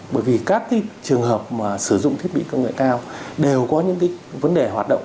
bởi vì các trường hợp mà sử dụng thiết bị công nghệ cao đều có những vấn đề hoạt động